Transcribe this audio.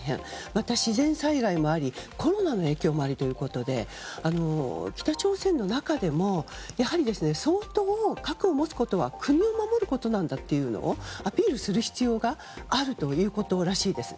また、自然災害もありコロナの影響もありということで北朝鮮の中でもやはり相当、核を持つことは国を守ることなんだというのをアピールする必要があるということらしいです。